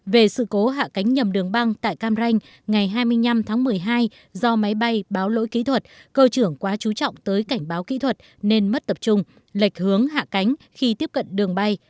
về sự cố hạ cánh nhầm đường băng tại cam ranh ngày hai mươi năm tháng một mươi hai do máy bay báo lỗi kỹ thuật cơ trưởng quá chú trọng tới cảnh báo kỹ thuật nên mất tập trung lệch hướng hạ cánh khi tiếp cận đường bay